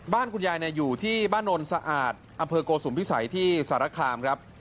บ้านคุณยายอยู่ที่บ้านโนนสะอาดอำเภอโกสุมพิสัยที่สารคามครับ